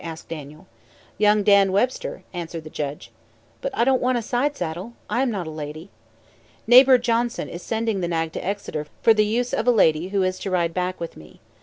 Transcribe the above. asked Daniel. "Young Dan Webster," answered the judge. "But I don't want a side saddle. I am not a lady." "Neighbor Johnson is sending the nag to Exeter for the use of a lady who is to ride back with me.